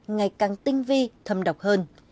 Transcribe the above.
ngày càng tinh vi thâm độc hơn